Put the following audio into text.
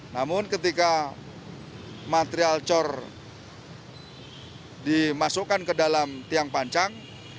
namun ketika material cor dimasukkan ke dalam tiang panjang